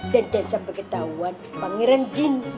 dan jangan sampai ketahuan pangeran jin